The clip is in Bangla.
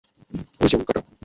অই যে উল্কাটা?